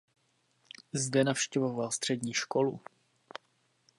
Zde navštěvoval střední školu.